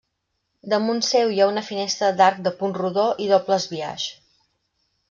Damunt seu hi ha una finestra d'arc de punt rodó i doble esbiaix.